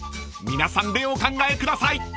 ［皆さんでお考えください］